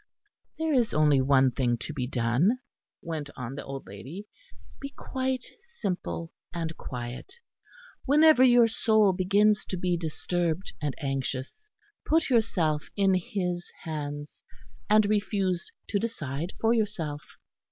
"There is only one thing to be done," went on the old lady, "be quite simple and quiet. Whenever your soul begins to be disturbed and anxious, put yourself in His Hands, and refuse to decide for yourself.